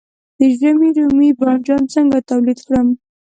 د ژمي رومي بانجان څنګه تولید کړم؟